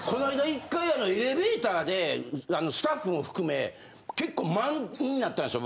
１回エレベーターでスタッフも含め結構満員になったんですよ。